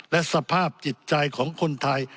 และสภาพจิตใจของคนไทย